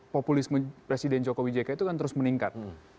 populisme presiden joko widjeka itu kan terus meningkat